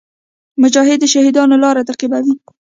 مجاهد د شهیدانو لار تعقیبوي.